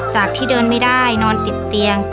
จากที่เดินไม่ได้นอนติดเตียง